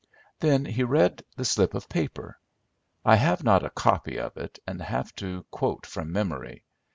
Then he read the slip of paper. I have not a copy of it, and have to quote from memory.